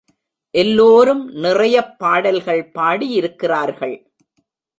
எல்லோரும் நிறையப் பாடல்கள் பாடியிருக்கிறார்கள்.